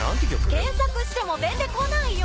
検索しても出て来ないよ。